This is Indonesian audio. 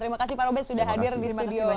terima kasih pak robert sudah hadir di studio